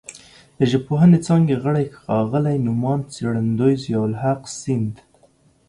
د ژبپوهنې څانګې غړي ښاغلي نوماند څېړندوی ضیاءالحق سیند